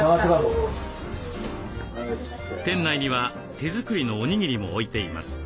店内には手作りのおにぎりも置いています。